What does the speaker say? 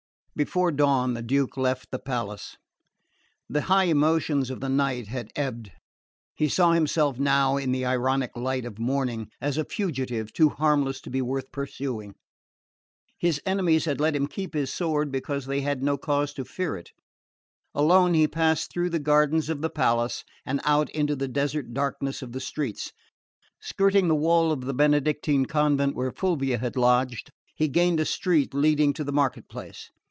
Before dawn the Duke left the palace. The high emotions of the night had ebbed. He saw himself now, in the ironic light of morning, as a fugitive too harmless to be worth pursuing. His enemies had let him keep his sword because they had no cause to fear it. Alone he passed through the gardens of the palace, and out into the desert darkness of the streets. Skirting the wall of the Benedictine convent where Fulvia had lodged, he gained a street leading to the marketplace.